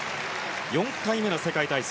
４回目の世界体操。